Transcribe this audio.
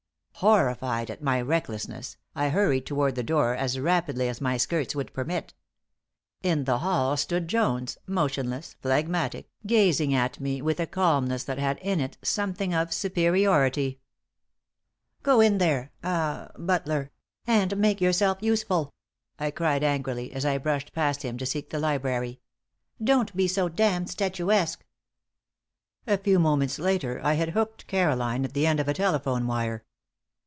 Horrified at my recklessness, I hurried toward the door as rapidly as my skirts would permit. In the hall stood Jones, motionless, phlegmatic, gazing at me with a calmness that had in it something of superiority. "Go in there ah butler, and make yourself useful," I cried, angrily, as I brushed past him to seek the library. "Don't be so damned statuesque!" A few moments later, I had hooked Caroline at the end of a telephone wire.